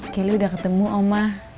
kelly udah ketemu oma